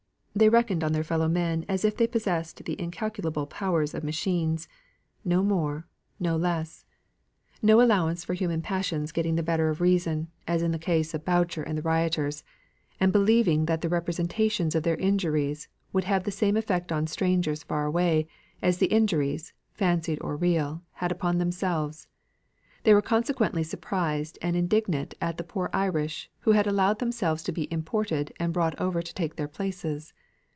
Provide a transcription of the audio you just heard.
They reckoned on their fellow men as if they possessed the calculable powers of machines, no more, no less; no allowance for human passions getting the better of reason, as in the case of Boucher and the rioters; and believing that the representations of their injuries would have the same effect on strangers far away, as the injuries (fancied or real) had upon themselves. They were consequently surprised and indignant at the poor Irish, who had allowed themselves to be imported and brought over to take their places.